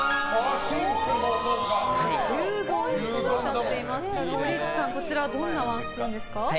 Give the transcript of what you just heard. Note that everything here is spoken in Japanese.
牛丼とおっしゃっていましたが堀内さんどんなワンスプーンですか？